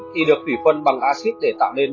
khi được thủy phân bằng acid để tạo nên nước tương